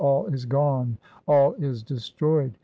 All is gone, all is destroyed.